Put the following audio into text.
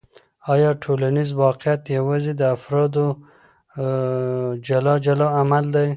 آیا ټولنیز واقعیت یوازې د افرادو جلا جلا عمل دی؟